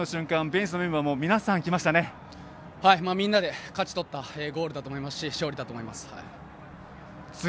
ベンチのメンバーもみんなで勝ち取ったゴールだと思いますし勝利だと思います。